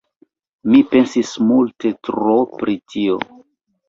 Mi pensis multe tro pri tio.